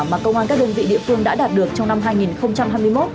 mà công an các đơn vị địa phương đã đạt được trong năm hai nghìn hai mươi một